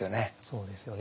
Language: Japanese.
そうですよね。